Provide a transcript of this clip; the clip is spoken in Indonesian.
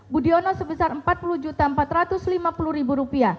budiono sebesar rp empat puluh empat ratus lima puluh